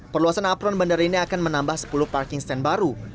perluasan apron bandara ini akan menambah sepuluh parking stand baru